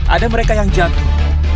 ada mereka yang jatuh